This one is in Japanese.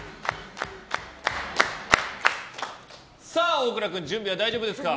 大倉君、準備は大丈夫ですか。